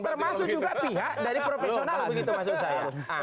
termasuk juga pihak dari profesional begitu maksud saya